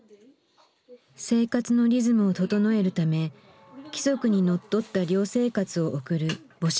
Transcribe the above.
生活のリズムを整えるため規則にのっとった寮生活を送る母子寮。